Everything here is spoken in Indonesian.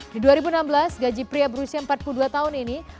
di dua ribu enam belas gaji pria berusia empat puluh dua tahun ini